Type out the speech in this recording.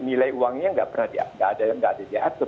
nilai uangnya nggak ada yang nggak ada diatur